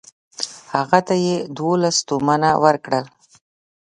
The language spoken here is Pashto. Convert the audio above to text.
هغه ته یې دوولس تومنه ورکړل.